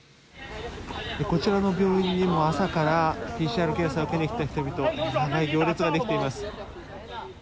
こちらの病院にも朝からＰＣＲ検査を受けに来た人々長い行列ができています。